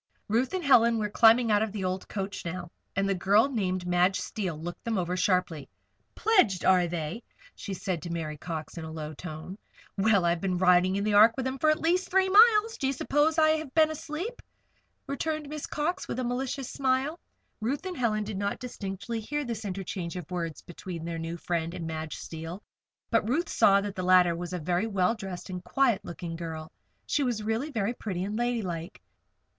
Ruth and Helen were climbing out of the old coach now, and the girl named Madge Steele looked them over sharply. "Pledged, are they?" she said to Mary Cox, in a low tone. "Well! I've been riding in the Ark with them for the last three miles. Do you suppose I have been asleep?" returned Miss Cox, with a malicious smile. Ruth and Helen did not distinctly hear this interchange of words between their new friend and Madge Steele; but Ruth saw that the latter was a very well dressed and quiet looking girl that she was really very pretty and ladylike.